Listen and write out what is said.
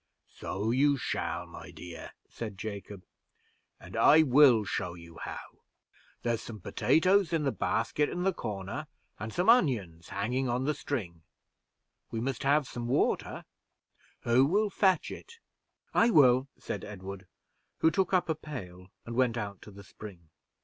"So you shall, my dear," said Jacob, "and I will show you how. There's some potatoes in the basket in the corner, and some onions hanging on the string; we must have some water who will fetch it?" "I will," said Edward, who took a pail, and went out to the spring.